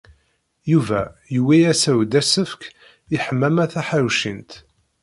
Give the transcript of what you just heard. Yuba yuwey-as-d asefk i Ḥemmama Taḥawcint.